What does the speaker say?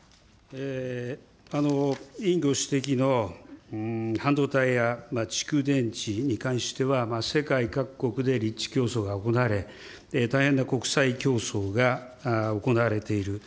委員ご指摘の半導体や蓄電池に関しては、世界各国で立地競争が行われ、大変な国際競争が行われている。